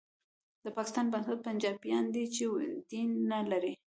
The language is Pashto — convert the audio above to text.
د پاکستان بنسټ پنجابیان دي چې دین نه لري